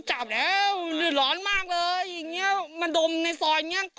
จะมาดมในซ้อนนี้